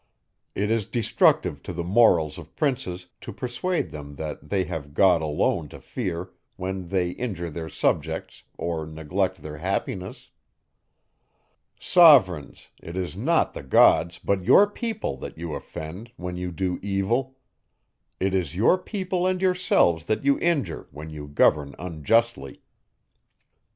It is destructive to the morals of princes, to persuade them that they have God alone to fear, when they injure their subjects, or neglect their happiness. Sovereigns! It is not the gods, but your people, that you offend, when you do evil. It is your people and yourselves that you injure, when you govern unjustly.